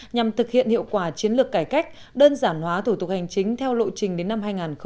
nhằm thực hiện hiệu quả chiến lược cải cách đơn giản hóa thủ tục hành chính theo lộ trình đến năm hai nghìn hai mươi